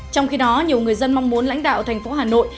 trong khi đó nhiều người dân mong muốn lãnh đạo thành phố hà nội